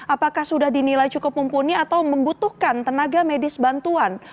apakah sudah dinilai cukup mumpuni atau membutuhkan tenaga medis bantuan